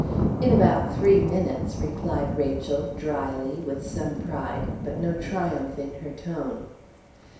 "In about three minutes," replied Rachel, dryly, with some pride, but no triumph in her tone.